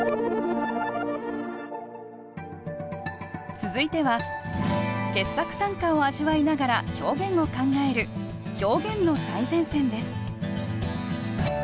続いては傑作短歌を味わいながら表現を考える「表現の最前線」です